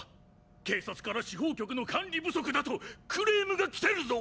警察から司法局の管理不足だとクレームがきてるぞ！